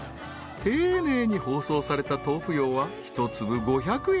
［丁寧に包装された豆腐ようは一粒５００円］